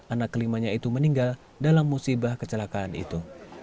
anak kelimanya itu meninggal dalam musibah kecelakaan itu